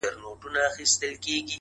دغه دی يو يې وړمه- دغه دی خو غلا یې کړم-